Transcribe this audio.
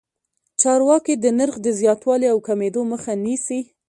چارواکي د نرخ د زیاتوالي او کمېدو مخه نیسي.